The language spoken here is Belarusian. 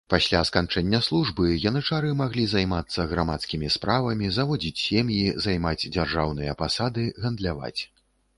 Пасля сканчэння службы янычары маглі займацца грамадскімі справамі, заводзіць сем'і, займаць дзяржаўныя пасады, гандляваць.